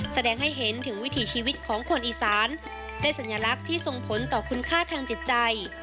แสดงให้เห็นถึงวิถีชีวิตของคนอีสานได้สัญลักษณ์ที่ส่งผลต่อคุณค่าทางจิตใจ